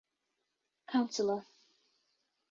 Cllr.